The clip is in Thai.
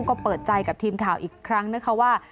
ก็เปิดใจกับทีมข่าวอีกครั้งนะคะว่า